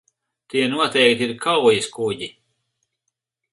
Tie noteikti ir kaujaskuģi.